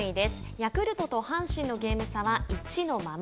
ヤクルトと阪神のゲーム差は１のまま。